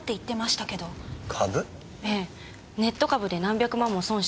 ネット株で何百万も損したとか。